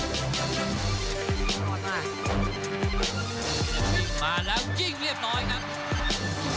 สวัสดีครับ